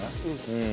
うん。